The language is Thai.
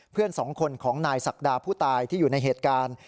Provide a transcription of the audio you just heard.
เพื่อนสองคนของนายศักดาผู้ตายที่อยู่ในเหตุการณ์